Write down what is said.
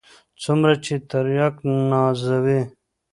څومره چې ترياک نازوي.